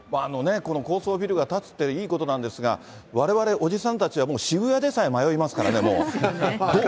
この高層ビルが建つっていいことなんですが、われわれおじさんたちはもう、渋谷でさえ迷いますからね、もう。